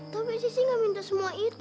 tapi sisi gak minta semua ini